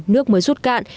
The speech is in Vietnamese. nước mới rút cạn